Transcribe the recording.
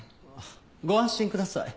ご安心ください。